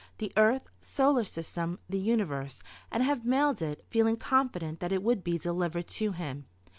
the Earth, Solar System, the Universe," and have mailed it, feeling confident that it would be delivered to him.